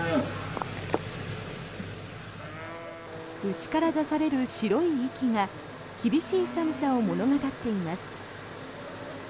牛から出される白い息が厳しい寒さを物語っています。